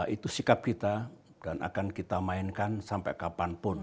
itu sikap kita dan akan kita mainkan sampai kapanpun